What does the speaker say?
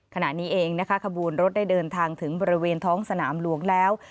ขณะนี้เองนะคะขบวนรถได้เดินทางถึงบริเวณท้องสนามหลวงแล้ว